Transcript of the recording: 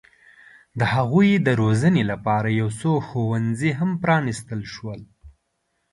د هغوی د روزنې لپاره یو څو ښوونځي هم پرانستل شول.